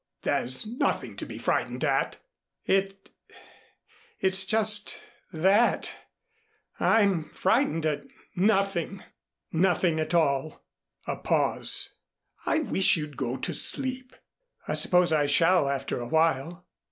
"There's nothing to be frightened at." "It it's just that I'm frightened at nothing nothing at all." A pause. "I wish you'd go to sleep." "I suppose I shall after a while."